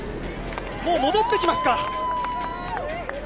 もう戻ってきますか。